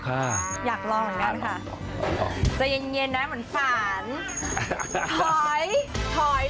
อยากลองเหมือนกันค่ะ